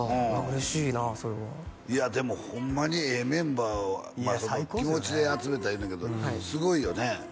嬉しいなあそれはいやでもホンマにええメンバーを気持ちで集めたいうねんけどすごいよね